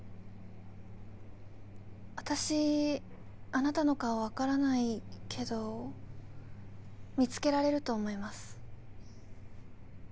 あたしあなたの顔分からないけど見つけられると思います。